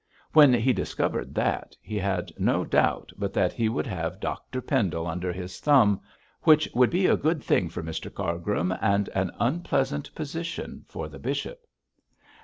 When he discovered that, he had no doubt but that he would have Dr Pendle under his thumb, which would be a good thing for Mr Cargrim and an unpleasant position for the bishop.